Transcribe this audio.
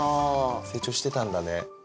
成長してたんだね。